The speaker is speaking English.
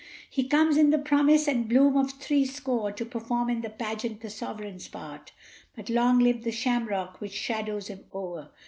He comes in the promise and bloom of threescore, To perform in the pageant the sovereign's part But long live the shamrock which shadows him o'er!